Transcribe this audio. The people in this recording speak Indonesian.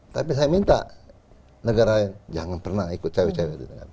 tapi saya minta negara lain jangan pernah ikut cewek cewek